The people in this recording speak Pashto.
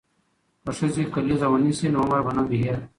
که ښځې کلیزه ونیسي نو عمر به نه وي هیر.